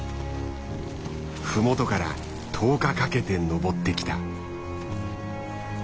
麓から１０日かけて登ってきた。